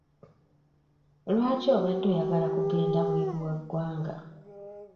Lwaki obadde oyagala kugenda bweru wa ggwanga?